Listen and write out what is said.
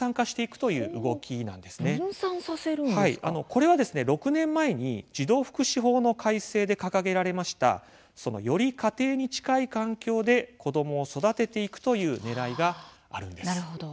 これはですね６年前に児童福祉法の改正で掲げられましたより家庭に近い環境で子どもを育てていくというねらいがあるんです。